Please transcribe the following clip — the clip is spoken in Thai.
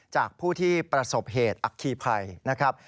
จากผู้ที่ประสบเหตุอัคคีภัยนะครับ